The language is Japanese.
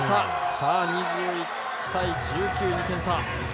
さあ２１対１９、２点差。